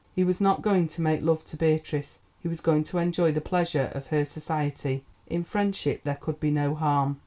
He was not going to make love to Beatrice, he was going to enjoy the pleasure of her society. In friendship there could be no harm.